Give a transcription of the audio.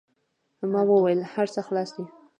ما و ویل: هر څه خلاص دي.